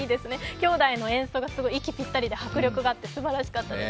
兄弟の演奏が息ぴったりで迫力があってすばらしかったです。